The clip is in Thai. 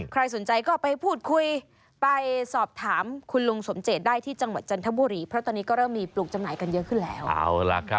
ใครสนใจก็ไปพูดคุยไปสอบถามคุณลุงสมเจตได้ที่จังหวัดจันทบุรีเพราะตอนนี้ก็เริ่มมีปลูกจำหน่ายกันเยอะขึ้นแล้ว